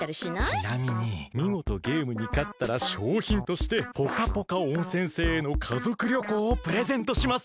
ちなみにみごとゲームにかったらしょうひんとしてポカポカ温泉星への家族旅行をプレゼントします。